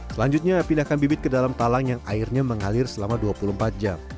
selanjutnya pindahkan bibit ke dalam talang yang airnya mengalir selama dua puluh empat jam